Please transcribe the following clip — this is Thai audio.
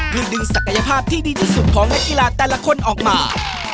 เพื่อดึงศักยภาพที่ดีที่สุดของนักกีฬาแต่ละคนออกมา